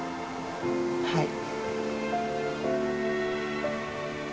はい。